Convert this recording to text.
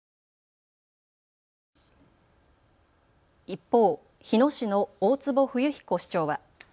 一方、日野市の大坪冬彦市長は。